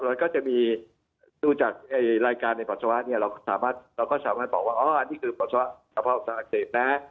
เราก็จะมีดูจากรายการในปัสสาวะเนี่ยเราก็สามารถบอกว่าอันนี้คือกระเพาะปัสสาวะอักเสบนะ